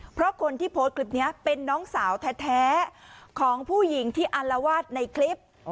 เพราะคนที่โพสต์คลิปนี้เป็นน้องสาวแท้ของผู้หญิงที่อัลวาดในคลิป